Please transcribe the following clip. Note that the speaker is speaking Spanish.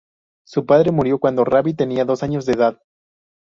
Su padre murió cuando Ravi tenía dos años de edad.